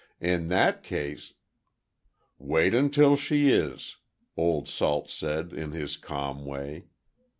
"In that case—" "Wait until she is," Old Salt said, in his calm way.